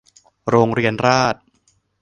โรงเรียนราษฎร์